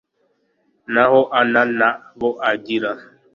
naho ana nta bo agira